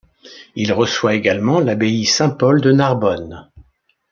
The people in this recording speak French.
Il reçoit également l'abbaye Saint-Paul de Narbonne.